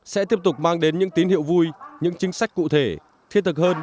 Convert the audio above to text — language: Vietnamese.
sẽ tiếp tục mang đến những tín hiệu vui những chính sách cụ thể thiết thực hơn